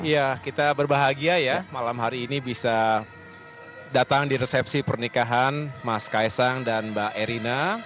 ya kita berbahagia ya malam hari ini bisa datang di resepsi pernikahan mas kaisang dan mbak erina